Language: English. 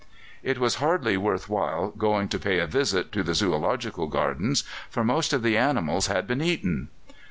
It was hardly worth while going to pay a visit to the Zoological Gardens, for most of the animals had been eaten.